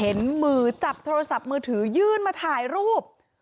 มือจับโทรศัพท์มือถือยื่นมาถ่ายรูป